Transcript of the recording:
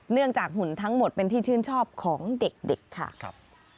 หุ่นทั้งหมดเป็นที่ชื่นชอบของเด็กค่ะ